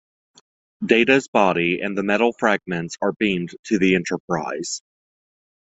Data's body and the metal fragments are beamed to the "Enterprise".